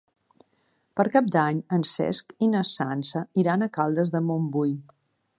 Per Cap d'Any en Cesc i na Sança iran a Caldes de Montbui.